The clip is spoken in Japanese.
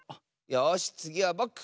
よしつぎはぼく！